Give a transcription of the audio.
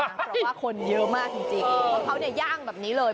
เพราะว่าคนเยอะมากจริงเพราะเขาย่างแบบนี้เลย